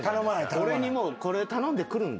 俺にもうこれ頼んでくるんだ？